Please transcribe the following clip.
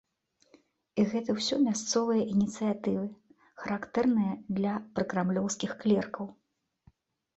І гэта ўсё мясцовыя ініцыятывы, характэрныя для пракрамлёўскіх клеркаў.